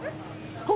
ここ！